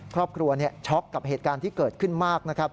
ครอบครัวช็อกกับเหตุการณ์ที่เกิดขึ้นมากนะครับ